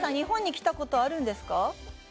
ニーナさん、日本に来たことあるんですか。